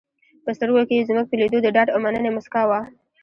په سترګو کې یې زموږ په لیدو د ډاډ او مننې موسکا وه.